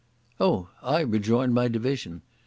"Oh, I rejoin my division.